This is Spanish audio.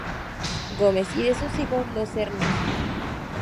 Gómez y de sus hijos, los Hnos.